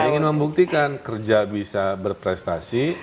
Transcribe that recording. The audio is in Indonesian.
saya ingin membuktikan kerja bisa berprestasi